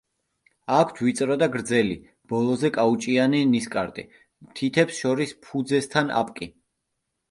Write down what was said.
აქვთ ვიწრო და გრძელი, ბოლოზე კაუჭიანი ნისკარტი, თითებს შორის ფუძესთან აპკი.